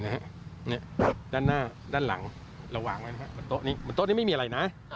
เนี่ยยังว่าตัวอย่างเนี่ย